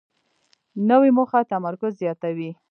نوې موخه تمرکز زیاتوي